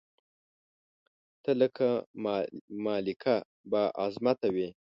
ته لکه مالکه بااعظمته وې